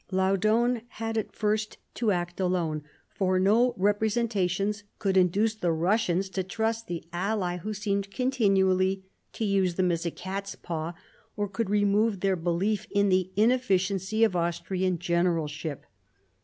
Laudon had at first to act alone, for no representa tions could induce the Russians to trust the ally who seemed continually to use them as a cat's paw, or could remove their belief in the inefficiency of Austrian generalship.